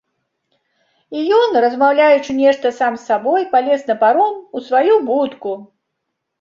І ён, размаўляючы нешта сам з сабой, палез на паром, у сваю будку.